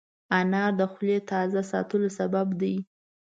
انار د خولې تازه ساتلو سبب دی.